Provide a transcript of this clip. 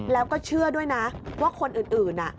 แล้วก็เชื่อด้วยนะว่าคนอื่น